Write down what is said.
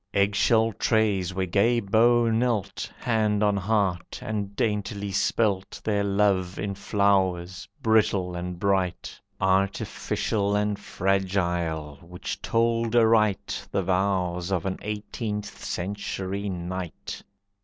Eggshell trays where gay beaux knelt, Hand on heart, and daintily spelt Their love in flowers, brittle and bright, Artificial and fragile, which told aright The vows of an eighteenth century knight.